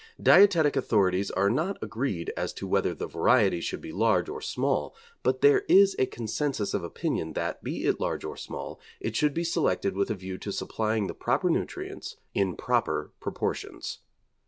Dietetic authorities are not agreed as to whether the variety should be large or small, but there is a concensus of opinion that, be it large or small, it should be selected with a view to supplying the proper nutrients in proper proportions.